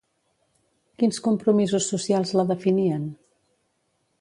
Quins compromisos socials la definien?